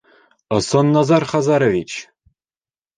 Ысын Назар Хазарович!